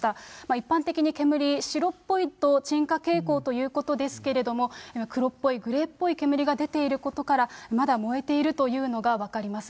一般的に煙、白っぽいと鎮火傾向ということですけれども、黒っぽい、グレーっぽい煙が出ていることから、まだ燃えているというのが分かります。